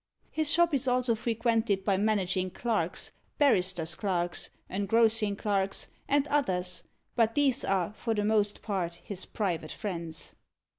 His shop is also frequented by managing clerks, barristers' clerks, engrossing clerks, and others; but these are, for the most part, his private friends.